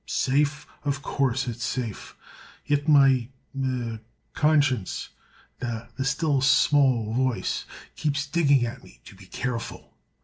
Safe? Of course it's safe. Yet my—er—conscience—the still small voice—keeps digging at me to be careful.